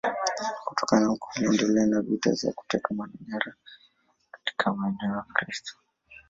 Kutoka huko waliendelea na vita za kuteka nyara katika maeneo ya Wakristo.